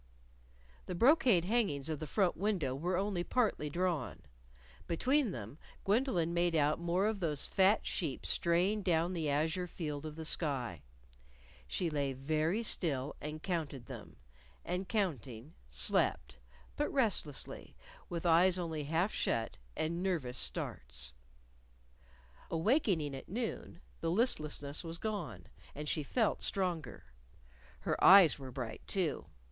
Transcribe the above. The brocade hangings of the front window were only partly drawn. Between them, Gwendolyn made out more of those fat sheep straying down the azure field of the sky. She lay very still and counted them; and, counting, slept, but restlessly, with eyes only half shut and nervous starts. Awakening at noon the listlessness was gone, and she felt stronger. Her eyes were bright, too.